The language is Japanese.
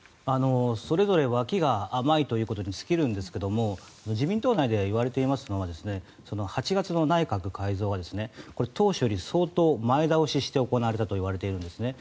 それぞれ脇が甘いということに尽きるんですけども自民党内で言われていますのは８月の内閣改造がこれは当初より相当前倒しして行われたといわれているんです。